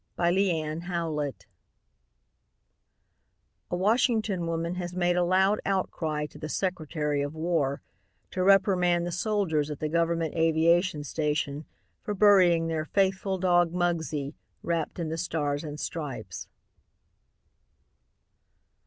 THE FLAG AND THE FAITHFUL (A Washington woman has made a loud outcry to the Secretary of War to reprimand the soldiers at the Government Aviation Station for burying their faithful dog, Muggsie, wrapped in the Stars and Stripes.)